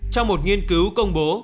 trong một nghiên cứu công bố